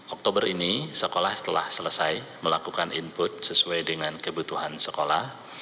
oktober ini sekolah telah selesai melakukan input sesuai dengan kebutuhan sekolah